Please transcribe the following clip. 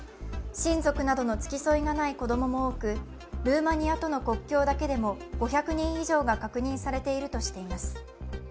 親族などの付き添いがない子供も多くルーマニアとの国境だけでも５００人以上が確認されているとしています。